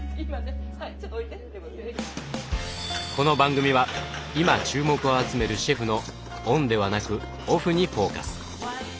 この番組は今注目を集めるシェフのオンではなくオフにフォーカス。